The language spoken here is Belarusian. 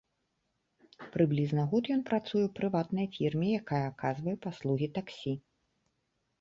Прыблізна год ён працуе ў прыватнай фірме, якая аказвае паслугі таксі.